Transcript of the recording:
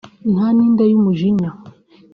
nta n’inda y’umujinya